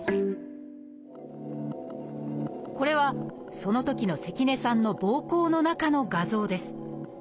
これはそのときの関根さんの膀胱の中の画像です。